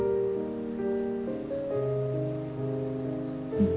うん。